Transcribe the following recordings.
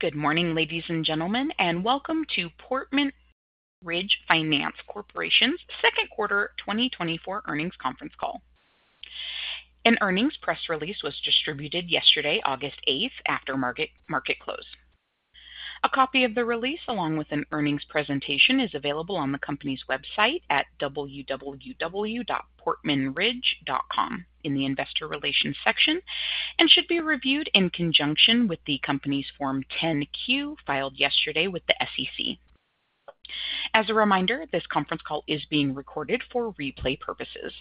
Good morning, ladies and gentlemen, and welcome to Portman Ridge Finance Corporation's Q2 2024 Earnings Conference Call. An earnings press release was distributed yesterday, August 8, after market close. A copy of the release, along with an earnings presentation, is available on the company's website at www.portmanridge.com in the Investor Relations section, and should be reviewed in conjunction with the company's Form 10-Q filed yesterday with the SEC. As a reminder, this conference call is being recorded for replay purposes.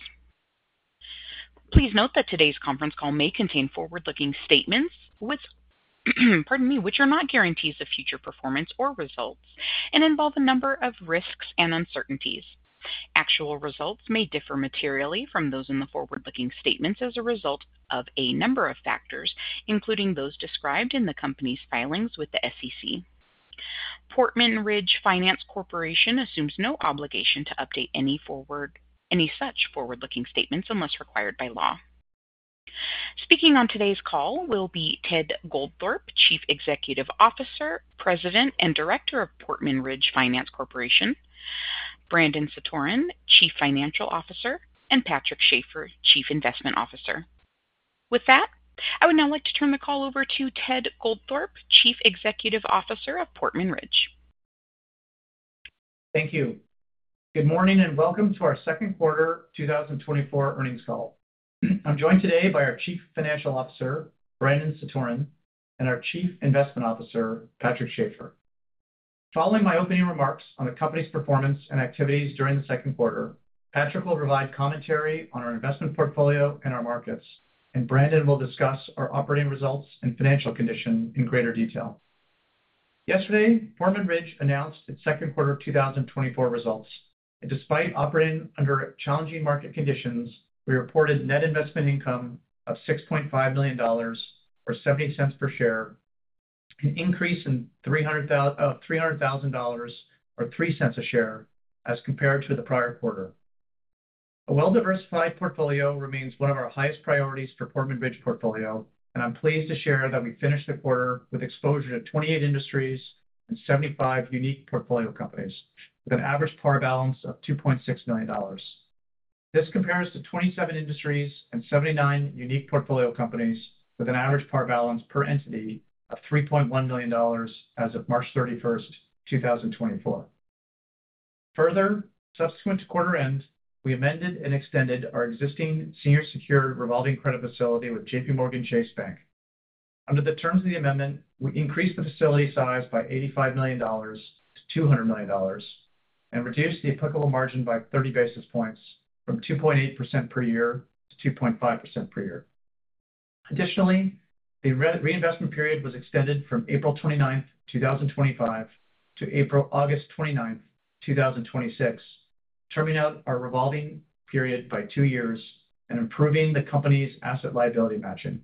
Please note that today's conference call may contain forward-looking statements, which, pardon me, which are not guarantees of future performance or results and involve a number of risks and uncertainties. Actual results may differ materially from those in the forward-looking statements as a result of a number of factors, including those described in the company's filings with the SEC. Portman Ridge Finance Corporation assumes no obligation to update any such forward-looking statements unless required by law. Speaking on today's call will be Ted Goldthorpe, Chief Executive Officer, President, and Director of Portman Ridge Finance Corporation. Brandon Satoren, Chief Financial Officer. And Patrick Schafer, Chief Investment Officer. With that, I would now like to turn the call over to Ted Goldthorpe, Chief Executive Officer of Portman Ridge. Thank you. Good morning, and welcome to our Q2 2024 Earnings Call. I'm joined today by our Chief Financial Officer, Brandon Satoren, and our Chief Investment Officer, Patrick Schafer. Following my opening remarks on the company's performance and activities during the Q2, Patrick will provide commentary on our investment portfolio and our markets, and Brandon will discuss our operating results and financial condition in greater detail. Yesterday, Portman Ridge announced its Q2 2024 results. And despite operating under challenging market conditions, we reported net investment income of $6.5 million, or $0.70 per share, an increase of $300,000 or 3 cents per share as compared to the prior quarter. A well-diversified portfolio remains one of our highest priorities for Portman Ridge portfolio, and I'm pleased to share that we finished the quarter with exposure to 28 industries and 75 unique portfolio companies, with an average par balance of $2.6 million. This compares to 27 industries and 79 unique portfolio companies with an average par balance per entity of $3.1 million as of March 31, 2024. Further, subsequent to quarter end, we amended and extended our existing senior secured revolving credit facility with JPMorgan Chase Bank. Under the terms of the amendment, we increased the facility size by $85 million to $200 million and reduced the applicable margin by 30 basis points, from 2.8% per year to 2.5% per year. Additionally, the reinvestment period was extended from April 29, 2025 to August 29, 2026, terming out our revolving period by 2 years and improving the company's asset liability matching.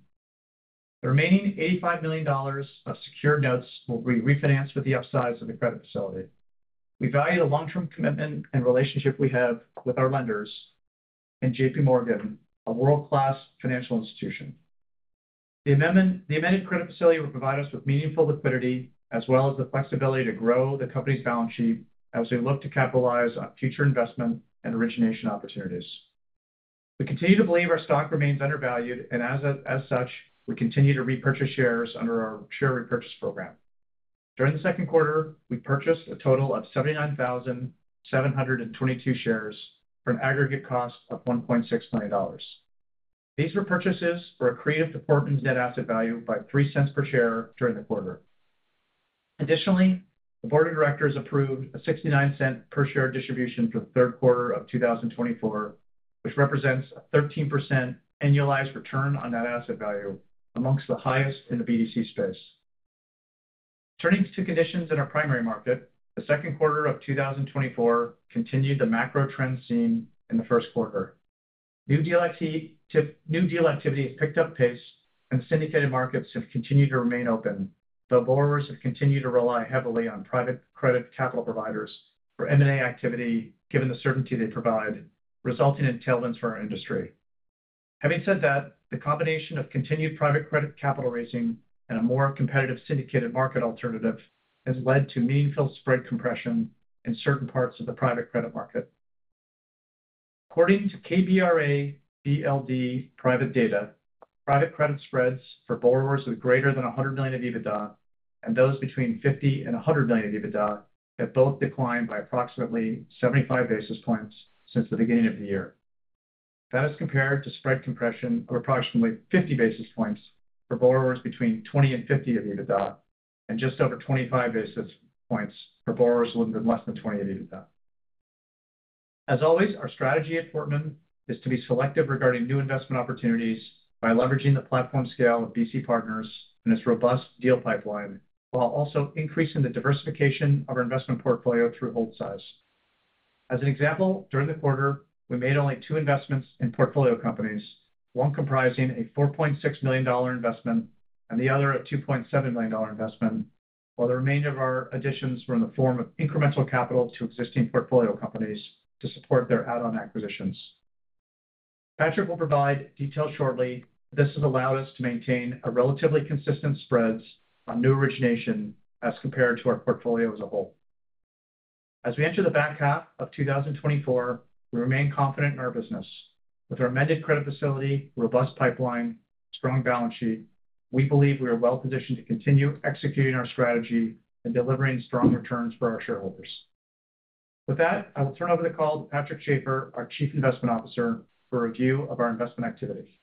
The remaining $85 million of secured notes will be refinanced with the upsize of the credit facility. We value the long-term commitment and relationship we have with our lenders and JPMorgan, a world-class financial institution. The amendment, the amended credit facility will provide us with meaningful liquidity as well as the flexibility to grow the company's balance sheet as we look to capitalize on future investment and origination opportunities. We continue to believe our stock remains undervalued, and as such, we continue to repurchase shares under our share repurchase program. During the Q2, we purchased a total of 79,722 shares from aggregate costs of $1.6 million. These repurchases were accretive to Portman's net asset value by $0.03 per share during the quarter. Additionally, the board of directors approved a $0.69 per share distribution for the Q3 of 2024, which represents a 13% annualized return on net asset value, among the highest in the BDC space. Turning to conditions in our primary market, the Q2 of 2024 continued the macro trend seen in the Q1. New deal activity has picked up pace and syndicated markets have continued to remain open, though borrowers have continued to rely heavily on private credit capital providers for M&A activity, given the certainty they provide, resulting in tailwinds for our industry. Having said that, the combination of continued private credit capital raising and a more competitive syndicated market alternative has led to meaningful spread compression in certain parts of the private credit market. According to KBRA DLD private data, private credit spreads for borrowers with greater than 100 million of EBITDA and those between 50 and 100 million of EBITDA have both declined by approximately 75 basis points since the beginning of the year. That is compared to spread compression of approximately 50 basis points for borrowers between 20 and 50 of EBITDA, and just over 25 basis points for borrowers with less than 20 of EBITDA. As always, our strategy at Portman is to be selective regarding new investment opportunities by leveraging the platform scale of BC Partners and its robust deal pipeline, while also increasing the diversification of our investment portfolio through hold size. As an example, during the quarter, we made only two investments in portfolio companies, one comprising a $4.6 million investment and the other a $2.7 million investment, while the remainder of our additions were in the form of incremental capital to existing portfolio companies to support their add-on acquisitions. Patrick will provide details shortly. This has allowed us to maintain a relatively consistent spreads on new origination as compared to our portfolio as a whole. As we enter the back half of 2024, we remain confident in our business. With our amended credit facility, robust pipeline, strong balance sheet, we believe we are well-positioned to continue executing our strategy and delivering strong returns for our shareholders. With that, I will turn over the call to Patrick Schafer, our Chief Investment Officer, for a review of our investment activity.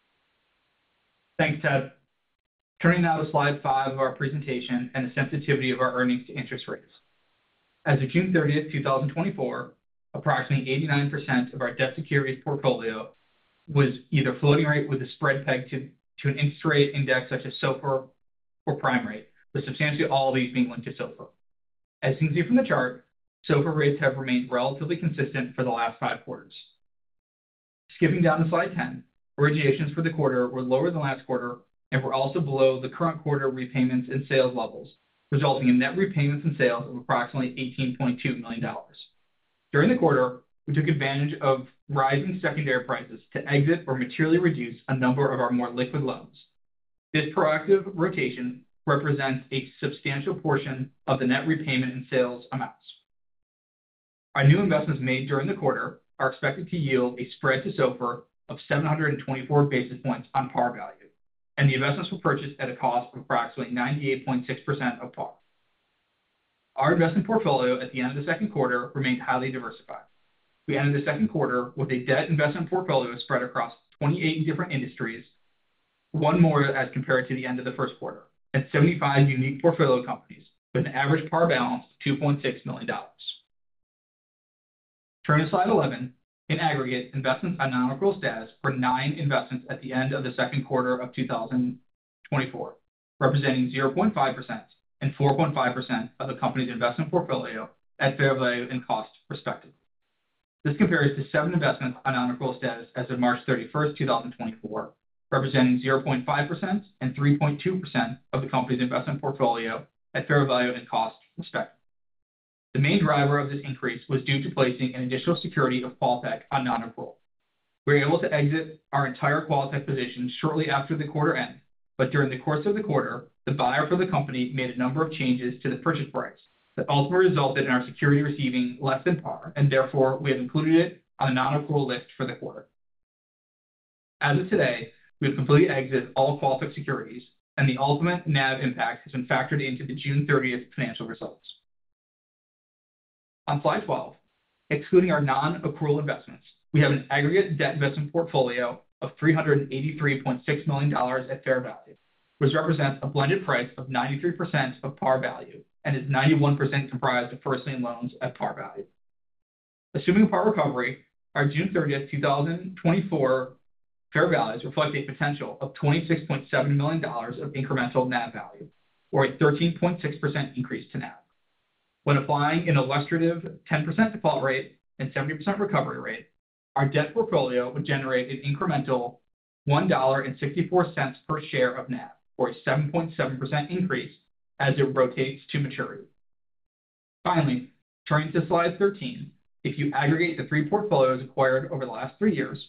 Thanks, Ted. Turning now to slide 5 of our presentation and the sensitivity of our earnings to interest rates. As of June 30, 2024, approximately 89% of our debt securities portfolio was either floating rate with a spread peg to an interest rate index, such as SOFR or prime rate, with substantially all of these being linked to SOFR. As you can see from the chart, SOFR rates have remained relatively consistent for the last five quarters. Skipping down to slide 10, originations for the quarter were lower than last quarter and were also below the current quarter repayments and sales levels, resulting in net repayments and sales of approximately $18.2 million. During the quarter, we took advantage of rising secondary prices to exit or materially reduce a number of our more liquid loans. This proactive rotation represents a substantial portion of the net repayment and sales amounts. Our new investments made during the quarter are expected to yield a spread to SOFR of 724 basis points on par value, and the investments were purchased at a cost of approximately 98.6% of par. Our investment portfolio at the end of the Q2 remained highly diversified. We ended the Q2 with a debt investment portfolio spread across 28 different industries, one more as compared to the end of the Q1, and 75 unique portfolio companies with an average par balance of $2.6 million. Turning to slide 11, in aggregate, investments on non-accrual status for 9 investments at the end of the Q2 of 2024, representing 0.5% and 4.5% of the company's investment portfolio at fair value and cost, respectively. This compares to 7 investments on non-accrual status as of March 31, 2024, representing 0.5% and 3.2% of the company's investment portfolio at fair value and cost, respectively. The main driver of this increase was due to placing an additional security of QualTek on non-accrual. We were able to exit our entire QualTek position shortly after the quarter end, but during the course of the quarter, the buyer for the company made a number of changes to the purchase price that ultimately resulted in our security receiving less than par, and therefore, we have included it on a non-accrual list for the quarter. As of today, we have completely exited all QualTek securities, and the ultimate NAV impact has been factored into the June thirtieth financial results. On slide twelve, excluding our non-accrual investments, we have an aggregate debt investment portfolio of $383.6 million at fair value, which represents a blended price of 93% of par value and is 91% comprised of first lien loans at par value. Assuming par recovery, our June 30, 2024 fair values reflect a potential of $26.7 million of incremental NAV value, or a 13.6% increase to NAV. When applying an illustrative 10% default rate and 70% recovery rate, our debt portfolio would generate an incremental $1.64 per share of NAV, or a 7.7% increase as it rotates to maturity. Finally, turning to slide 13. If you aggregate the three portfolios acquired over the last three years,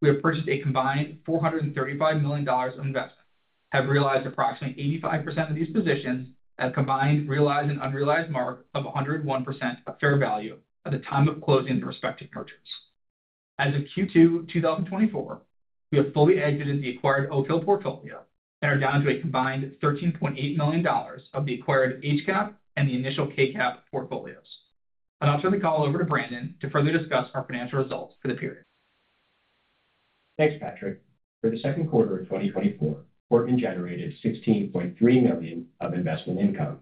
we have purchased a combined $435 million of investments, have realized approximately 85% of these positions at a combined realized and unrealized mark of 101% of fair value at the time of closing the respective purchase. As of Q2 of 2024, we have fully exited the acquired Oak Hill portfolio and are down to a combined $13.8 million of the acquired HCAP and the initial KCAP portfolios. I'll now turn the call over to Brandon to further discuss our financial results for the period. Thanks, Patrick. For the Q2 of 2024, Portman generated $16.3 million of investment income,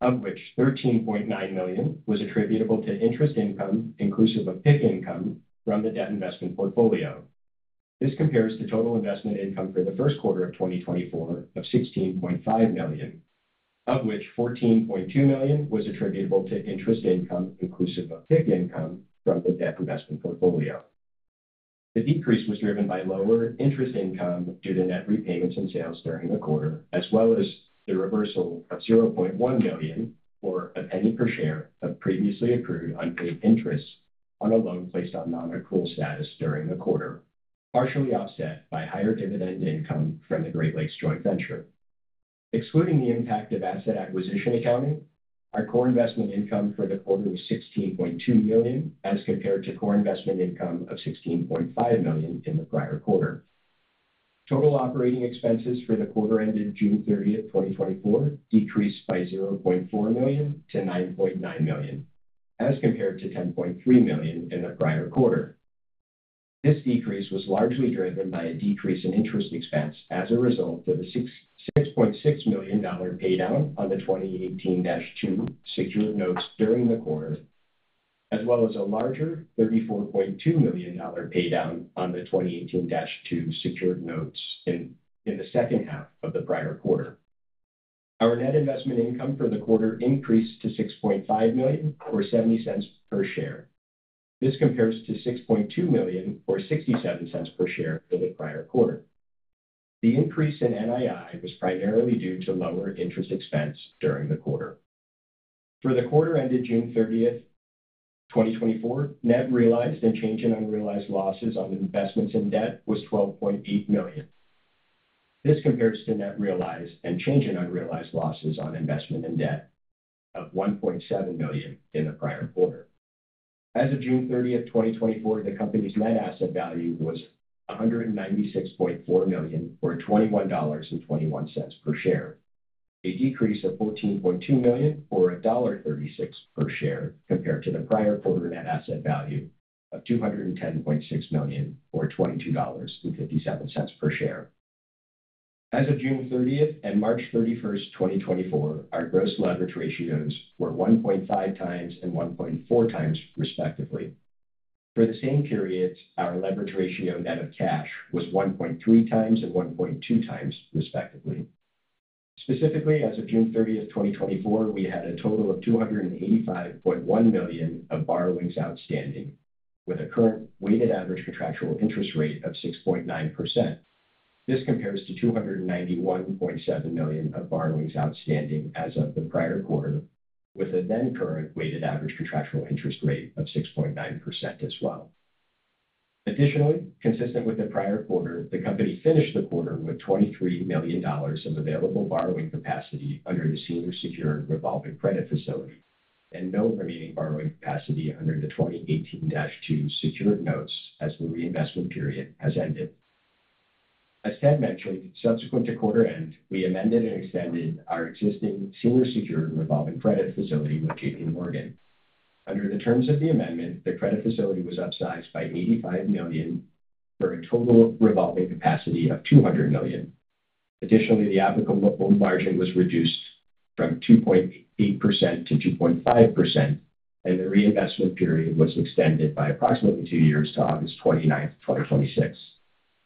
of which $13.9 million was attributable to interest income, inclusive of PIK income from the debt investment portfolio. This compares to total investment income for the Q1 of 2024 of $16.5 million, of which $14.2 million was attributable to interest income, inclusive of PIK income from the debt investment portfolio. The decrease was driven by lower interest income due to net repayments and sales during the quarter, as well as the reversal of $0.1 million, or a penny per share, of previously accrued unpaid interest on a loan placed on non-accrual status during the quarter, partially offset by higher dividend income from the Great Lakes Joint Venture. Excluding the impact of asset acquisition accounting, our core investment income for the quarter was $16.2 million, as compared to core investment income of $16.5 million in the prior quarter. Total operating expenses for the quarter ended June 30, 2024, decreased by $0.4 million to $9.9 million, as compared to $10.3 million in the prior quarter. This decrease was largely driven by a decrease in interest expense as a result of a $6.6 million paydown on the 2018-2 Secured Notes during the quarter, as well as a larger $34.2 million paydown on the 2018-2 Secured Notes in the second half of the prior quarter. Our net investment income for the quarter increased to $6.5 million or $0.70 per share. This compares to $6.2 million or $0.67 per share for the prior quarter. The increase in NII was primarily due to lower interest expense during the quarter. For the quarter ended June 30, 2024, net realized and change in unrealized losses on investments in debt was $12.8 million. This compares to net realized and change in unrealized losses on investment in debt of $1.7 million in the prior quarter. As of June 30, 2024, the company's net asset value was $196.4 million, or $21.21 per share, a decrease of $14.2 million, or $1.36 per share, compared to the prior quarter net asset value of $210.6 million, or $22.57 per share. As of June thirtieth and March thirty-first, 2024, our gross leverage ratios were 1.5 times and 1.4 times, respectively. For the same periods, our leverage ratio net of cash was 1.3 times and 1.2 times, respectively. Specifically, as of June thirtieth, 2024, we had a total of $285.1 million of borrowings outstanding, with a current weighted average contractual interest rate of 6.9%. This compares to $291.7 million of borrowings outstanding as of the prior quarter, with a then current weighted average contractual interest rate of 6.9% as well. Additionally, consistent with the prior quarter, the company finished the quarter with $23 million of available borrowing capacity under the senior secured revolving credit facility and no remaining borrowing capacity under the 2018-2 secured notes as the reinvestment period has ended. As Ted mentioned, subsequent to quarter end, we amended and extended our existing senior secured revolving credit facility with J.P. Morgan. Under the terms of the amendment, the credit facility was upsized by $85 million, for a total revolving capacity of $200 million. Additionally, the applicable margin was reduced from 2.8% to 2.5%, and the reinvestment period was extended by approximately 2 years to August 29th, 2026.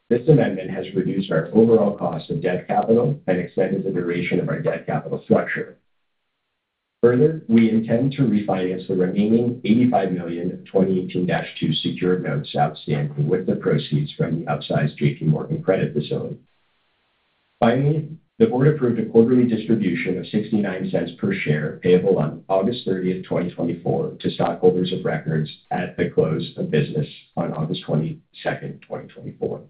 This amendment has reduced our overall cost of debt capital and extended the duration of our debt capital structure. Further, we intend to refinance the remaining $85 million 2018-2 secured notes outstanding with the proceeds from the upsized J.P. Morgan credit facility. Finally, the board approved a quarterly distribution of $0.69 per share, payable on August 30, 2024, to stockholders of record at the close of business on August 22, 2024.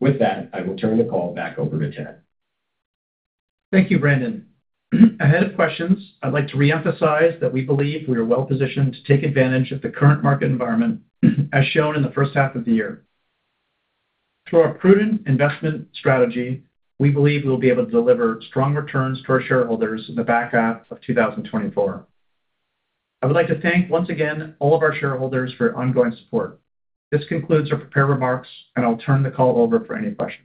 With that, I will turn the call back over to Ted. Thank you, Brandon. Ahead of questions, I'd like to reemphasize that we believe we are well positioned to take advantage of the current market environment, as shown in the first half of the year. Through our prudent investment strategy, we believe we'll be able to deliver strong returns to our shareholders in the back half of 2024. I would like to thank once again all of our shareholders for your ongoing support. This concludes our prepared remarks, and I'll turn the call over for any questions.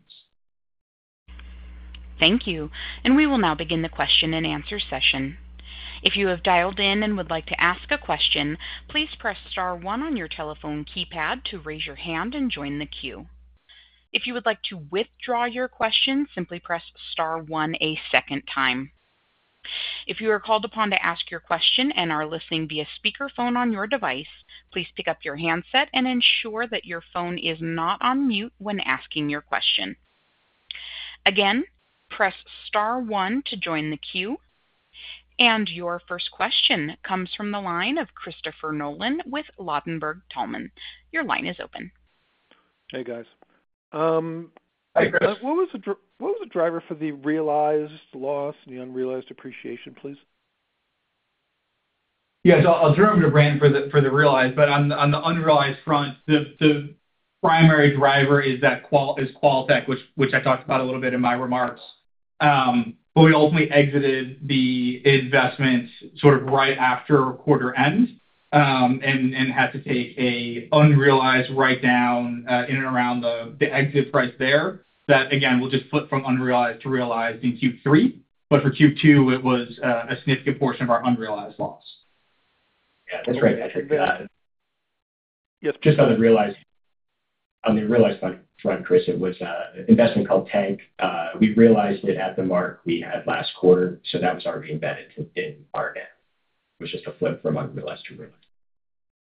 Thank you. We will now begin the Q&A session. If you have dialed in and would like to ask a question, please press star one on your telephone keypad to raise your hand and join the queue. If you would like to withdraw your question, simply press star one a second time. If you are called upon to ask your question and are listening via speakerphone on your device, please pick up your handset and ensure that your phone is not on mute when asking your question. Again, press star one to join the queue. Your first question comes from the line of Christopher Nolan with Ladenburg Thalmann. Your line is open. Hey, guys. Hi, Chris. What was the driver for the realized loss and the unrealized appreciation, please? So I'll turn it to Brandon for the realized, but on the unrealized front, the primary driver is QualTek, which I talked about a little bit in my remarks. But we ultimately exited the investment right after quarter end, and had to take an unrealized write-down in and around the exit price there. That again will just flip from unrealized to realized in Q3. But for Q2, it was a significant portion of our unrealized loss. That's right, Patrick. Yes. Just on the realized front, Chris, it was an investment called Tank. We realized it at the mark we had last quarter, so that was already embedded in our net. It was just a flip from unrealized to realized.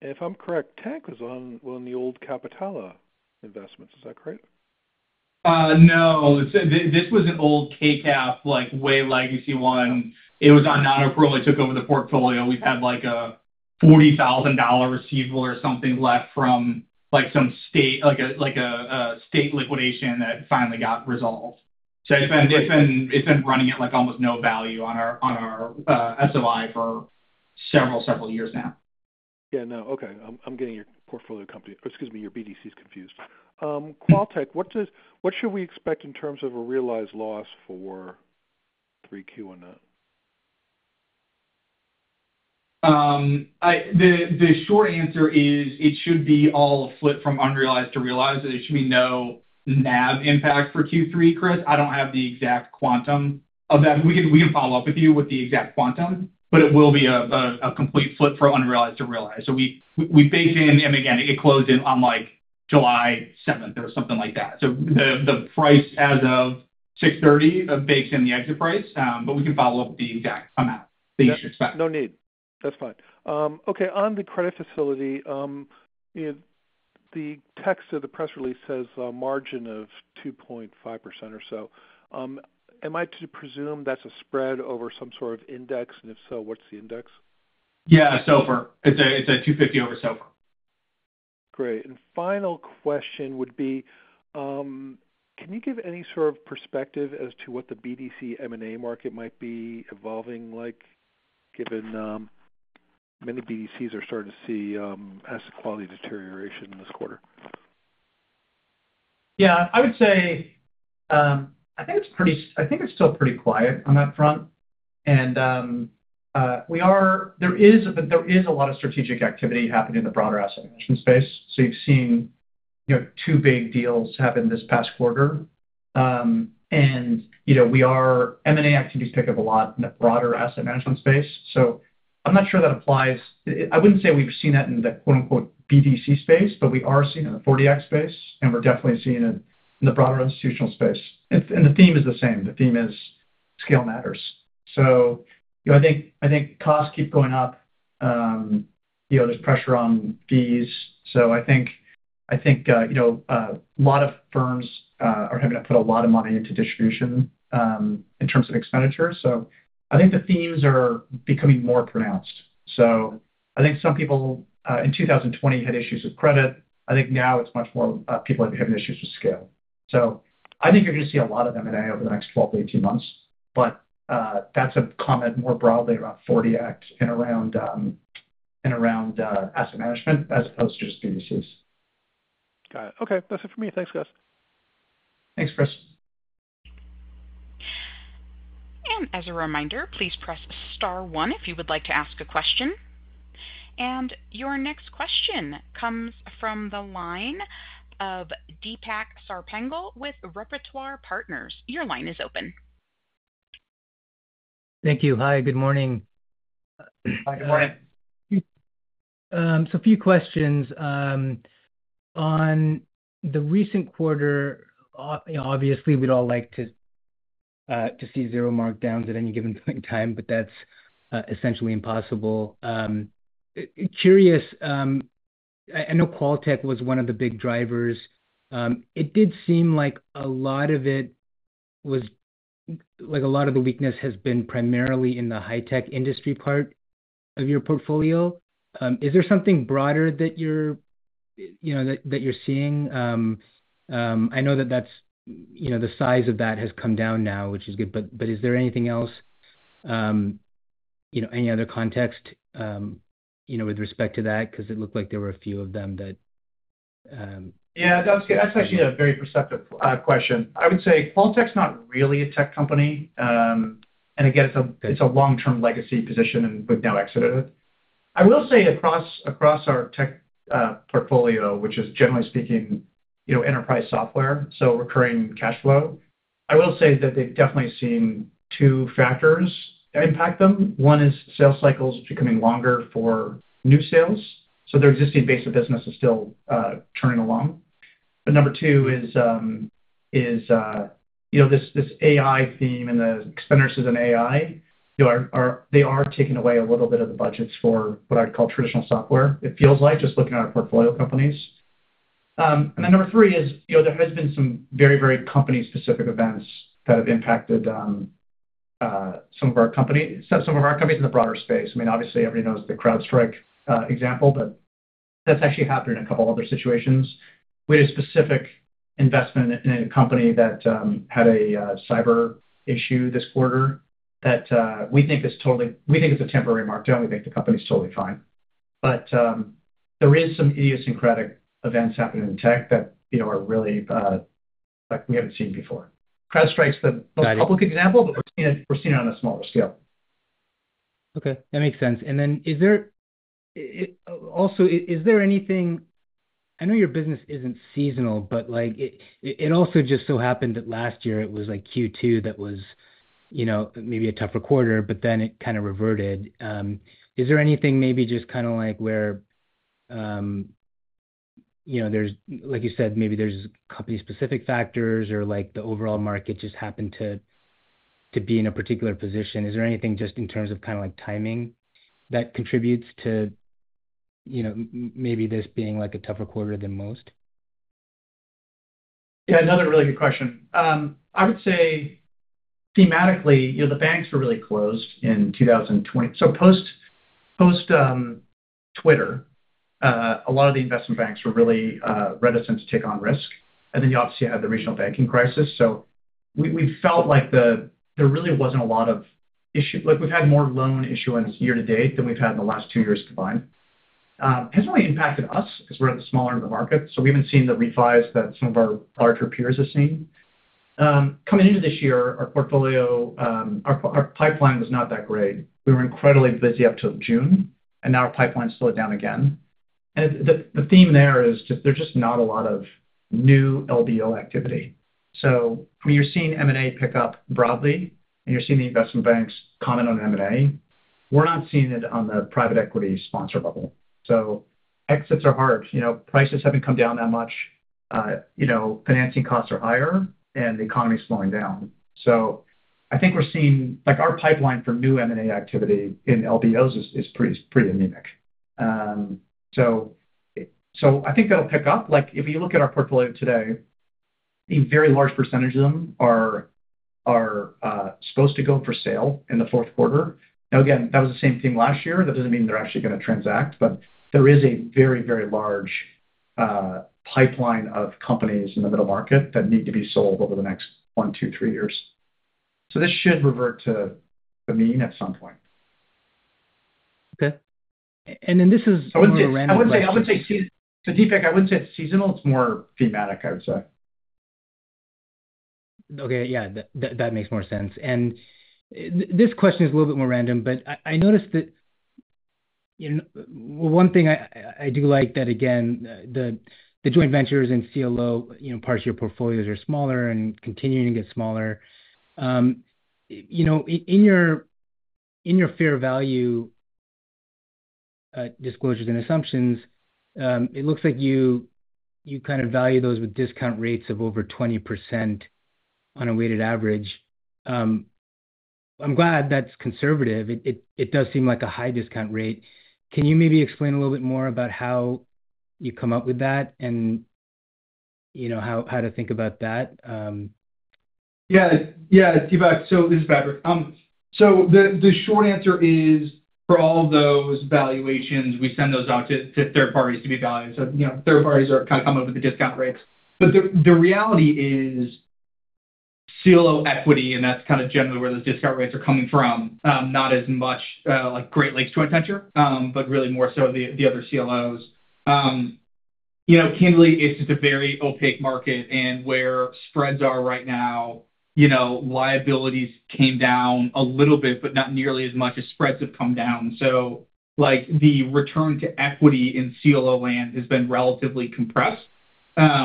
If I'm correct, Tank was on the old Capitana investments. Is that correct? No. So this, this was an old KCAP, like, way legacy one. It was on non-accrual. I took over the portfolio. We've had, like, a $40,000 receivable or something left from, like, some state, like a, like a, a state liquidation that finally got resolved. So it's been, it's been, it's been running at, like, almost no value on our, on our, SOI for several, several years now. No. Okay, I'm getting your portfolio company, excuse me, your BDCs confused. QualTek, what should we expect in terms of a realized loss for 3Q on that? The short answer is, it should be all a flip from unrealized to realized. There should be no NAV impact for Q3, Chris. I don't have the exact quantum of that. We can follow up with you with the exact quantum, but it will be a complete flip from unrealized to realized. So we baked in, and again, it closed in on, like, July seventh or something like that. So the price as of 6/30 bakes in the exit price, but we can follow up with the exact amount that you should expect. No need. That's fine. Okay, on the credit facility. The text of the press release says, margin of 2.5% or so. Am I to presume that's a spread over some index? And if so, what's the index? SOFR. It's a, it's a 2.50 over SOFR. Great. Final question would be, can you give any perspective as to what the BDC M&A market might be evolving like, given many BDCs are starting to see asset quality deterioration this quarter? I would say, it's still pretty quiet on that front and there is, but there is a lot of strategic activity happening in the broader asset management space. So you've seen, two big deals happen this past quarter. We are M&A activities pick up a lot in the broader asset management space, so I'm not sure that applies. I wouldn't say we've seen that in the quote-unquote "BDC space," but we are seeing it in the '40 Act space, and we're definitely seeing it in the broader institutional space. And the theme is the same. The theme is scale matters. So costs keep going up, there's pressure on fees. So a lot of firms are having to put a lot of money into distribution, in terms of expenditures. So the themes are becoming more pronounced. So some people in 2020 had issues with credit. Now it's much more, people are having issues with scale. So you're gonna see a lot of M&A over the next 12 to 18 months, but, that's a comment more broadly around 40 Acts and around, and around, asset management as opposed to just BDCs. Got it. Okay, that's it for me. Thanks, guys. Thanks, Chris. And as a reminder, please press star one if you would like to ask a question. And your next question comes from the line of Deepak Sarpangal with Repertoire Partners. Your line is open. Thank you. Hi, good morning. Hi, good morning. So a few questions. On the recent quarter, obviously, we'd all like to see zero markdowns at any given point in time, but that's essentially impossible. Curious, I know Qualtek was one of the big drivers. It did seem like a lot of it was like a lot of the weakness has been primarily in the high tech industry part of your portfolio. Is there something broader that you're seeing? I know that that's the size of that has come down now, which is good, but is there anything else any other context with respect to that? Because it looked like there were a few of them that That's actually a very perceptive question. I would say QualTek's not really a tech company. And again, it's a long-term legacy position, and we've now exited it. I will say across our tech portfolio, which is, generally speaking enterprise software, so recurring cash flow, I will say that they've definitely seen two factors that impact them. One is sales cycles becoming longer for new sales, so their existing base of business is still turning along. But number two is this AI theme and the expenditures in AI, are taking away a little bit of the budgets for what I'd call traditional software. It feels like just looking at our portfolio companies. And then number three is there has been some very, very company-specific events that have impacted some of our companies, some of our companies in the broader space. Obviously, everybody knows the CrowdStrike example, but that's actually happened in a couple other situations. We had a specific investment in a company that had a cyber issue this quarter that we think is totally. We think it's a temporary markdown. We think the company is totally fine. But there is some idiosyncratic events happening in tech that are really like we haven't seen before. CrowdStrike's the most public example, but we're seeing it, we're seeing it on a smaller scale. Okay, that makes sense. And then is there also, is there anything? I know your business isn't seasonal, but like, it also just so happened that last year it was like Q2 that was maybe a tougher quarter, but then it reverted. Is there anything maybe just like where there's, like you said, maybe there's company-specific factors or like the overall market just happened to be in a particular position. Is there anything just in terms of like timing that contributes maybe this being like a tougher quarter than most? Another really good question. I would say thematically the banks were really closed in 2020. So post Twitter, a lot of the investment banks were really reticent to take on risk. And then you obviously had the regional banking crisis. So we felt like there really wasn't a lot of issue. Like, we've had more loan issuance year to date than we've had in the last 2 years combined. Hasn't really impacted us because we're at the smaller end of the market, so we haven't seen the revise that some of our larger peers have seen. Coming into this year, our portfolio, our pipeline was not that great. We were incredibly busy up till June, and now our pipeline slowed down again. The theme there is just, there's just not a lot of new LBO activity. So you're seeing M&A pick up broadly, and you're seeing the investment banks comment on M&A. We're not seeing it on the private equity sponsor level. So exits are hard. Prices haven't come down that much. Financing costs are higher, and the economy is slowing down. So we're seeing, like, our pipeline for new M&A activity in LBOs is pretty anemic. So that'll pick up. Like, if you look at our portfolio today, a very large percentage of them are supposed to go for sale in the Q4. Now, again, that was the same thing last year. That doesn't mean they're actually going to transact, but there is a very, very large pipeline of companies in the middle market that need to be sold over the next 1 to 2-3 years. So this should revert to the mean at some point. Okay. And then this is a more random question- I would say, I would say, so Deepak, I wouldn't say it's seasonal. It's more thematic, I would say. That makes more sense. And this question is a little bit more random, but I, I noticed that, one thing I, I do like that again, the, the joint ventures in CLO, parts of your portfolios are smaller and continuing to get smaller. In your, in your fair value disclosures and assumptions, it looks like you value those with discount rates of over 20% on a weighted average. I'm glad that's conservative. It, it, it does seem like a high discount rate. Can you maybe explain a little bit more about how you come up with that and how to think about that? Deepak. So this is Patrick. So the, the short answer is, for all those valuations, we send those out to, to third parties to be valued. So third parties are come up with the discount rates. But the, the reality is CLO equity, and that's generally where those discount rates are coming from. Not as much, like Great Lakes Joint Venture, but really more so the, the other CLOs. Candidly, it's just a very opaque market and where spreads are right now liabilities came down a little bit, but not nearly as much as spreads have come down. So, like, the return to equity in CLO land has been relatively compressed,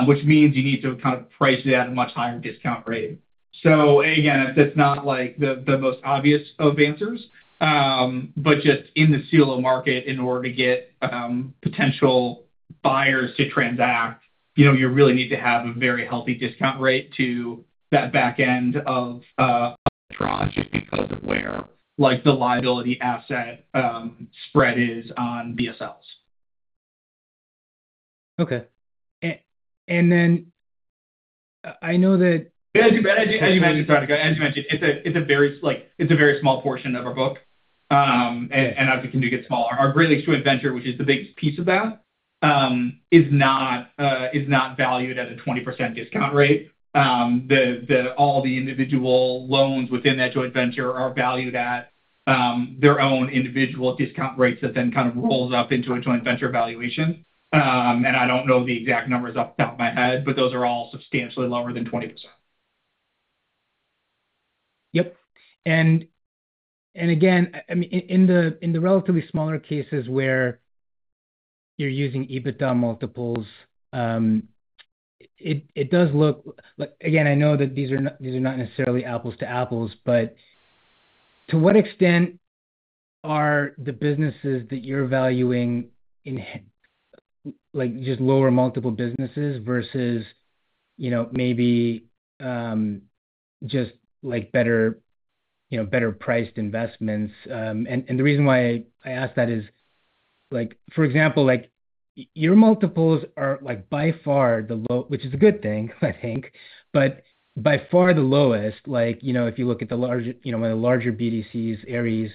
which means you need to price it at a much higher discount rate. So again, it's not like the most obvious of answers, but just in the CLO market, in order to get potential buyers to transact you really need to have a very healthy discount rate to that back end of tranche because of where, like, the liability asset spread is on BSLs. Okay. And then, I know that- As you mentioned, Patrick, it's a very small portion of our book, and obviously can get smaller. Our Great Lakes Joint Venture, which is the biggest piece of that, is not valued at a 20% discount rate. All the individual loans within that joint venture are valued at their own individual discount rates that then rolls up into a joint venture valuation. And I don't know the exact numbers off the top of my head, but those are all substantially lower than 20%. Yep, and again, in the relatively smaller cases where you're using EBITDA multiples, it does look like. Again, I know that these are not necessarily apples to apples, but to what extent are the businesses that you're valuing in, like, just lower multiple businesses versus maybe just like better priced investments? And the reason why I ask that is, like, for example, like, your multiples are like by far the low, which is a good thing, but by far the lowest. If you look at the larger BDCs, Ares,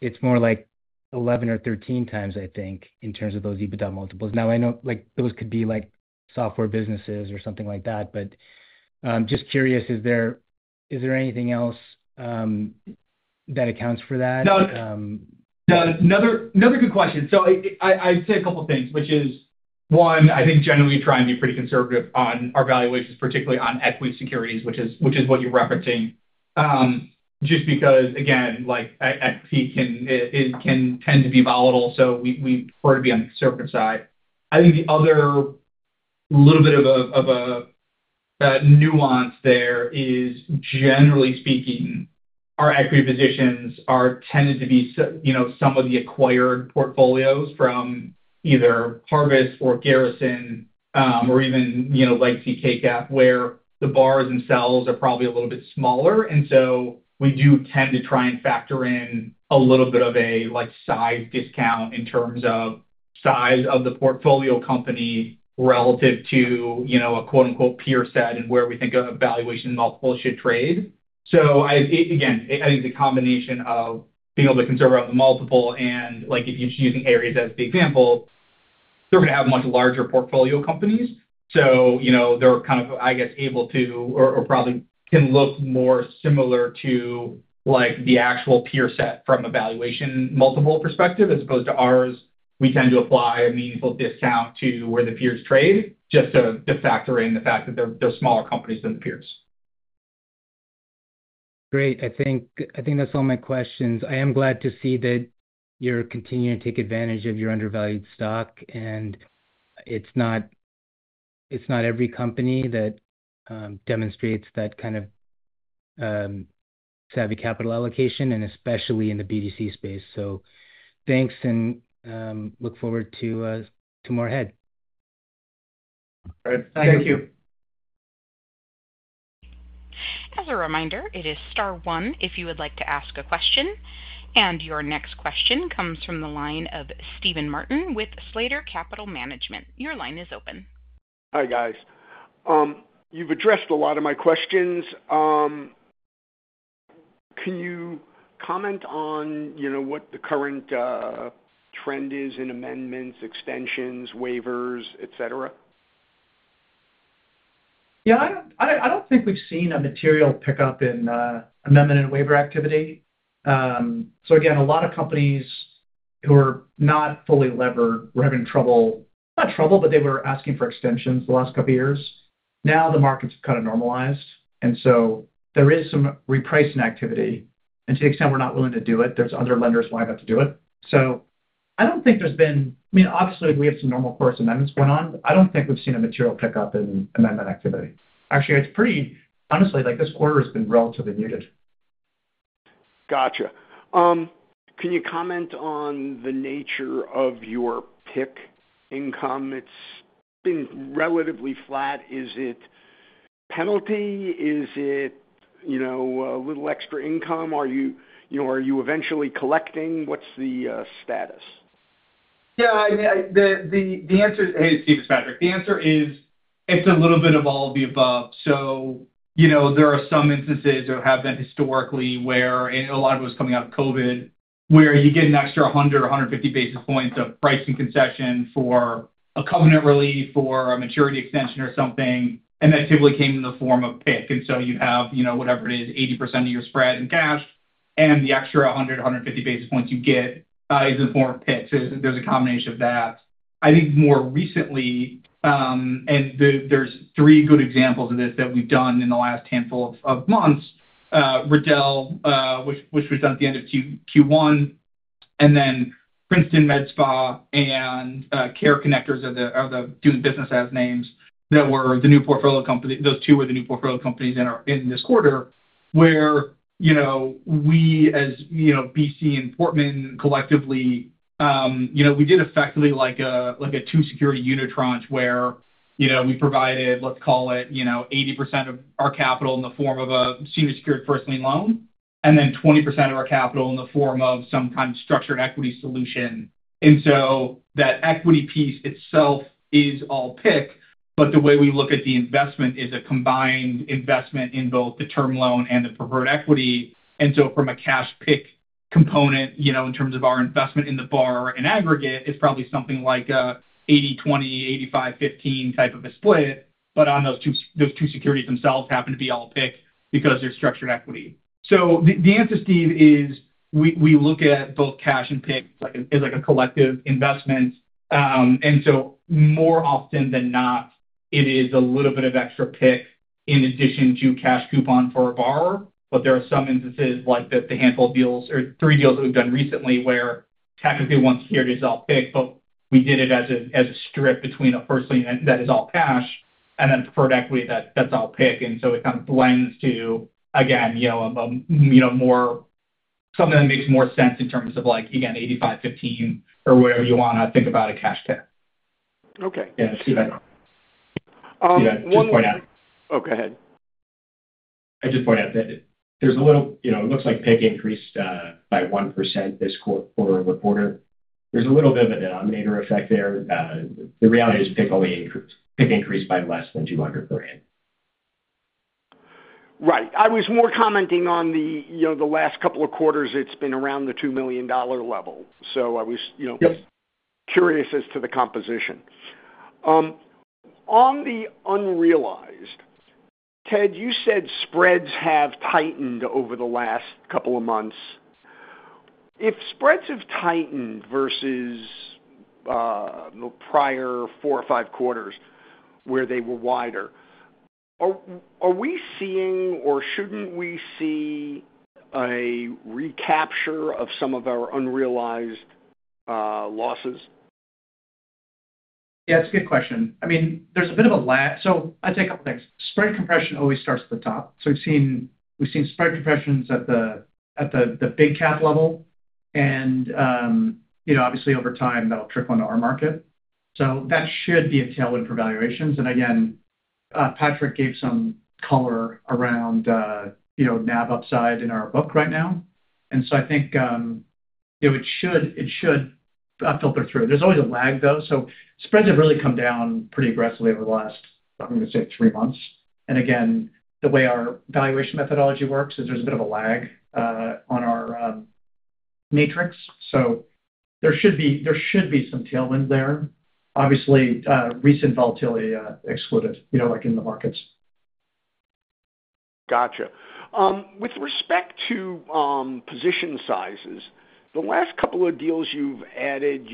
it's more like 11x or 13x, in terms of those EBITDA multiples. Now, I know, like, those could be like software businesses or something like that, but just curious, is there, is there anything else that accounts for that? No, another good question. So I'd say a couple of things, which is, one, generally we try and be pretty conservative on our valuations, particularly on equity securities, which is what you're referencing. Just because, again, like, equity can tend to be volatile, so we prefer to be on the conservative side. The other little bit of a nuance there is, generally speaking, our equity positions are tended to be sosome of the acquired portfolios from either Harvest or Garrison, or even like KCAP, where the bars themselves are probably a little bit smaller. And so we do tend to try and factor in a little bit of a, like, size discount in terms of size of the portfolio company relative to a quote-unquote, "peer set," and where we think a valuation multiple should trade. So, again, the combination of being able to conserve up the multiple and like, if you're using Ares as the example, they're going to have much larger portfolio companies. So they're able to or probably can look more similar to, like, the actual peer set from a valuation multiple perspective, as opposed to ours. We tend to apply a meaningful discount to where the peers trade, just to, to factor in the fact that they're, they're smaller companies than the peers. Great. That's all my questions. I am glad to see that you're continuing to take advantage of your undervalued stock, and it's not, it's not every company that demonstrates that savvy capital allocation, and especially in the BDC space. So thanks, and look forward to more ahead. All right. Thank you. As a reminder, it is star one if you would like to ask a question, and your next question comes from the line of Steven Martin with Slater Capital Management. Your line is open. Hi, guys. You've addressed a lot of my questions. Can you comment on what the current trend is in amendments, extensions, waivers, et cetera? I don't think we've seen a material pickup in amendment and waiver activity. So again, a lot of companies who are not fully levered were having trouble, not trouble, but they were asking for extensions the last couple of years. Now the market's normalized, and so there is some repricing activity, and to the extent we're not willing to do it, there's other lenders lining up to do it. So I don't think there's been obviously, we have some normal course amendments going on. I don't think we've seen a material pickup in amendment activity. Actually, it's pretty. Honestly, this quarter has been relatively muted. Gotcha. Can you comment on the nature of your PIK income? It's been relatively flat. Is it penalty? Is it a little extra income? Are you eventually collecting? What's the status? Hey, Steve, it's Patrick. The answer is, it's a little bit of all of the above. So, there are some instances or have been historically where, and a lot of it was coming out of COVID, where you get an extra 100, 150 basis points of pricing concession for a covenant relief, for a maturity extension or something, and that typically came in the form of PIK. And so you'd have whatever it is, 80% of your spread in cash, and the extra 100, 150 basis points you get, is in the form of PIK. So there's a combination of that. More recently, there's three good examples of this that we've done in the last handful of months. Riddell, which was done at the end of Q1, and then Princeton Medspa and CareConnectors are the doing business as names that were the new portfolio company. Those two were the new portfolio companies in this quarter, where we as BC and Portman collectively, we did effectively like a two-security unitranche where we provided, let's call it 80% of our capital in the form of a senior secured first lien loan, and then 20% of our capital in the form of some structured equity solution. And so that equity piece itself is all PIK, but the way we look at the investment is a combined investment in both the term loan and the preferred equity. And so from a cash PIK component in terms of our investment in the BDC in aggregate, it's probably something like a 80/20, 85/15 type of a split, but on those two, those two securities themselves happen to be all PIK because they're structured equity. So the answer, Steve, is we look at both cash and PIK like, as like a collective investment. And so more often than not, it is a little bit of extra PIK in addition to cash coupon for a borrower. But there are some instances, like the handful of deals or 3 deals that we've done recently, where technically one security is all PIK, but we did it as a strip between a first lien that is all cash and then preferred equity that's all PIK. And so it blends to, again more, something that makes more sense in terms of like, again, 85/15 or whatever you wanna think about a cash PIK. One more- Just point out. Oh, go ahead. I just point out that there's a little, it looks like PIC increased by 1% this quarter-over-quarter. There's a little bit of a denominator effect there. The reality is PIC only increased, PIC increased by less than $200 million. Right. I was more commenting on the last couple of quarters, it's been around the $2 million level. So I was curious as to the composition. On the unrealized, Ted, you said spreads have tightened over the last couple of months. If spreads have tightened versus the prior four or five quarters where they were wider, are we seeing or shouldn't we see a recapture of some of our unrealized losses? It's a good question. There's a bit of a lag. So I'd say a couple things. Spread compression always starts at the top. So we've seen spread compressions at the big cap level, and obviously over time, that'll trickle into our market. So that should be a tailwind for valuations. And again, Patrick gave some color around NAV upside in our book right now. And so it should filter through. There's always a lag, though. So spreads have really come down pretty aggressively over the last, I'm gonna say, three months. And again, the way our valuation methodology works is there's a bit of a lag on our matrix. So there should be some tailwind there. Obviously, recent volatility, excluded like in the markets. Gotcha. With respect to position sizes, the last couple of deals you've added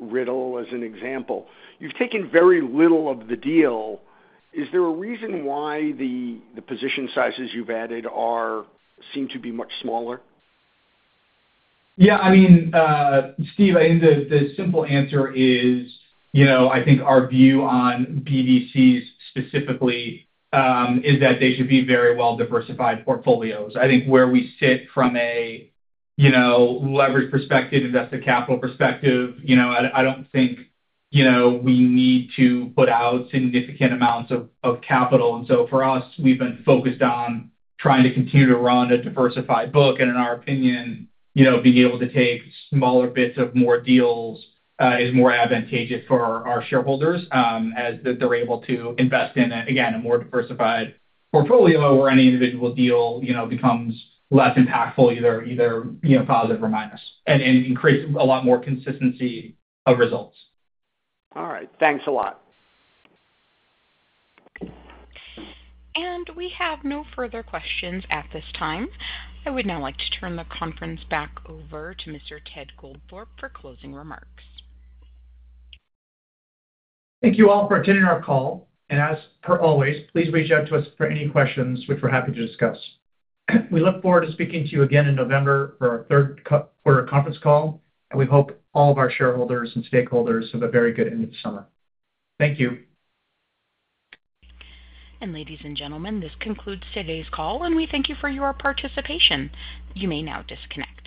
Riddell, as an example, you've taken very little of the deal. Is there a reason why the position sizes you've added seem to be much smaller? Steve, the simple answer is our view on BDCs specifically, is that they should be very well-diversified portfolios. Where we sit from a leverage perspective, invested capital perspective. I don't think we need to put out significant amounts of capital. And so for us, we've been focused on trying to continue to run a diversified book, and in our opinion being able to take smaller bits of more deals, is more advantageous for our shareholders, as they're able to invest in, again, a more diversified portfolio where any individual deal becomes less impactful, either positive or minus, and increase a lot more consistency of results. All right. Thanks a lot. We have no further questions at this time. I would now like to turn the conference back over to Mr. Ted Goldthorpe for closing remarks. Thank you all for attending our call, and as per always, please reach out to us for any questions which we're happy to discuss. We look forward to speaking to you again in November for our Q3 conference call, and we hope all of our shareholders and stakeholders have a very good end of summer. Thank you. Ladies and gentlemen, this concludes today's call, and we thank you for your participation. You may now disconnect.